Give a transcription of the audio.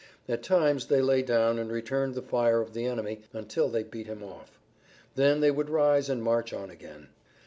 At times they lay down and returned the fire of the enemy until they beat him off. Then they would rise and march on again.